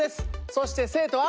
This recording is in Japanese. そして生徒は。